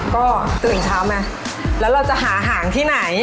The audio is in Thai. ก็ตื่นเช้ามาแล้วเราจะหาหางที่ไหน